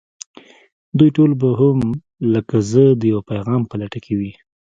دوی ټول به هم لکه زه د يوه پيغام په لټه کې وي.